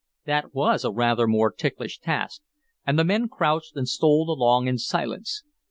That was a rather more ticklish task, and the men crouched and stole along in silence.